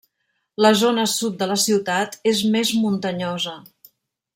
La zona sud de la ciutat és més muntanyosa.